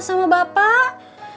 sama emak sama bapak